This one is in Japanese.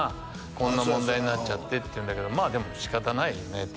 「こんな問題になっちゃって」って言うんだけどまあでも仕方ないよねって